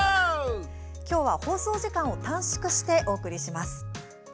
今日は放送時間を短縮してお送りします。